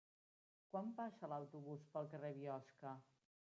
Quan passa l'autobús pel carrer Biosca?